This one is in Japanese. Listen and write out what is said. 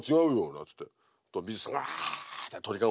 なんつって。